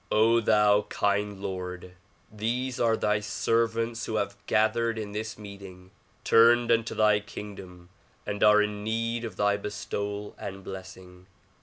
thou kind Lord! These are thy servants who have gathered in this meeting, turned unto thy kingdom and are in need of thy bestowal and blessing.